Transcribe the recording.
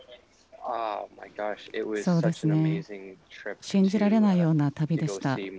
そうですね、信じられないような旅でした。